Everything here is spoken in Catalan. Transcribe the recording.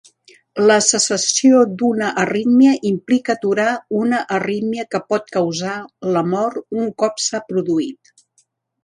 La cessació d'una arrítmia implica aturar una arrítmia que pot causar la mort un cop s'ha produït.